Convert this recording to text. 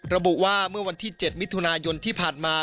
ระบุว่าเมื่อวันที่๗มิถุนายนที่ผ่านมา